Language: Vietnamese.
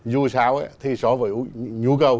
dù sao thì so với nhu cầu